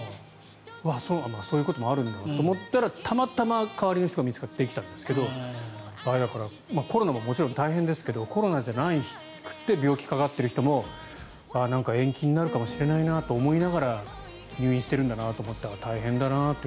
わあ、そうなんだそういうこともあるんだと思ったらたまたま代わりの人が見つかったんですけどコロナももちろん大変ですけどコロナじゃなくて病気にかかっている人もなんか延期になるかもしれないなと思いながら入院してるんだなと思ったら大変だなと。